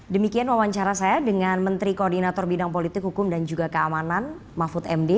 demikian wawancara saya dengan menteri koordinator bidang politik hukum dan juga keamanan mahfud md